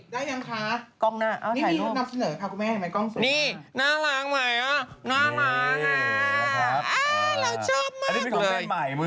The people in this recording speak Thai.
ได้ยังคะนี่นี่นับเสียเหลือค่ะครับคุณแม่ไม่กล้องเสียเหลือ